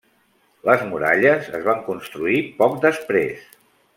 Les muralles es van construir poc després.